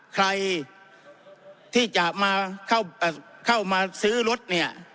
ใครที่จะมาเข้ามาซื้อรถเนี่ย